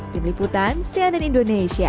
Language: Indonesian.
tim liputan cnn indonesia